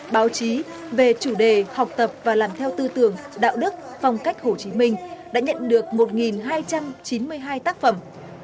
báo chí về chủ đề học tập và làm theo tư tưởng đạo đức phong cách hồ chí minh đã nhận được một hai trăm chín mươi hai tác phẩm